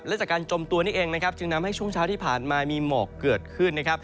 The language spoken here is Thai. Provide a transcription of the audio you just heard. และจากการจมตัวเนี่ยิงจึงให้ช่วงเช้าที่ผ่านมามีหมอกเกิดขึ้น